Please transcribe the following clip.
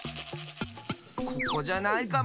ここじゃないかも。